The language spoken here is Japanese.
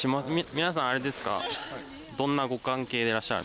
皆さんあれですか？